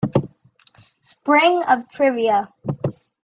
Spring of Trivia.